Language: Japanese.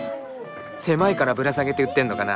狭いからぶら下げて売ってるのかな。